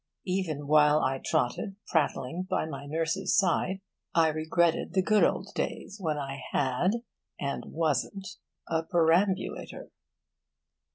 Even while I trotted prattling by my nurse's side I regretted the good old days when I had, and wasn't, a perambulator.